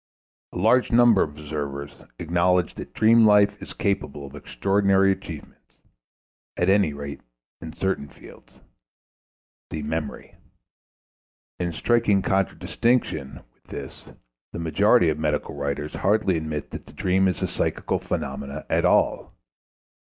A large number of observers acknowledge that dream life is capable of extraordinary achievements at any rate, in certain fields ("Memory"). In striking contradiction with this the majority of medical writers hardly admit that the dream is a psychical phenomenon at all.